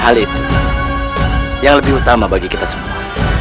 hal itu yang lebih utama bagi kita semua